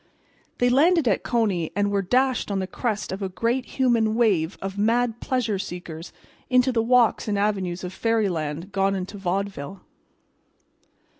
They landed at Coney, and were dashed on the crest of a great human wave of mad pleasure seekers into the walks and avenues of Fairyland gone into vaudeville.